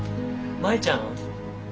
舞ちゃん。